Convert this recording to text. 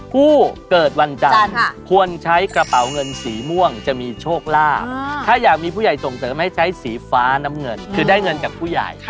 ผู้เกิดวันจันทร์ควรใช้กระเป๋าเงินสีม่วงจะมีโชคลาภถ้าอยากมีผู้ใหญ่ส่งเสริมให้ใช้สีฟ้าน้ำเงินคือได้เงินจากผู้ใหญ่